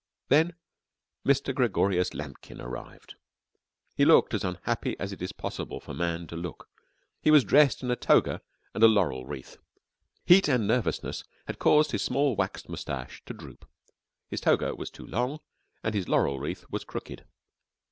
Then Mr. Gregorius Lambkin arrived. He looked as unhappy as it is possible for man to look. He was dressed in a toga and a laurel wreath. Heat and nervousness had caused his small waxed moustache to droop. His toga was too long and his laurel wreath was crooked.